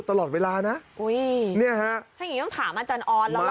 ตลอดเวลานะอุ้ยเนี่ยฮะถ้าอย่างนี้ต้องถามอาจารย์ออนหรอก